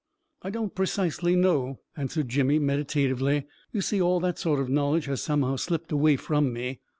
" I don't precisely know," answered Jimmy, meditatively. " You see, all that sort of knowl edge has somehow slipped away from me.